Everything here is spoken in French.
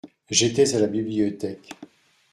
J’étais à la bibliothèque.